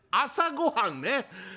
「朝ごはんね！